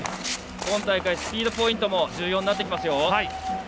今大会スピードポイントも重要になってきます。